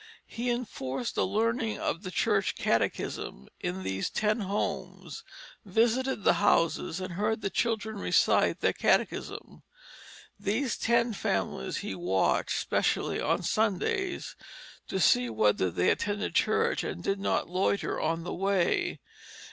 He enforced the learning of the church catechism in these ten homes, visited the houses, and heard the children recite their catechism. These ten families he watched specially on Sundays to see whether they attended church, and did not loiter on the way.